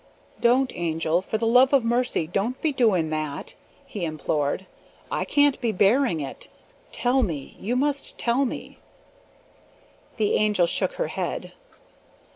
"Don't, Angel; for the love of mercy don't be doing that," he implored. "I can't be bearing it. Tell me. You must tell me." The Angel shook her head.